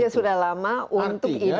sudah lama untuk ini